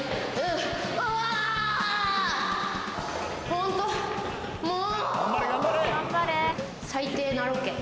ホントもう！